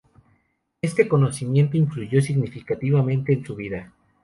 Este conocimiento influyó significativamente en su vida.